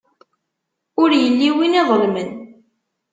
Ur yelli win iḍelmen.